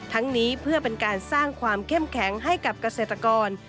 ทั้งนี้เพื่อเป็นการสร้างความเข้มแข็งให้กับเกษตรกร